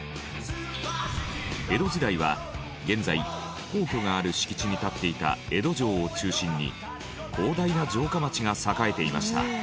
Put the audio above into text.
江戸時代は現在皇居がある敷地に立っていた江戸城を中心に広大な城下町が栄えていました。